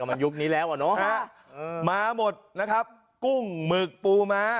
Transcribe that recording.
มันยุคนี้แล้วอ่ะเนอะมาหมดนะครับกุ้งหมึกปูม้า